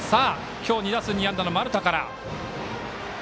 今日２打数２安打の丸田から。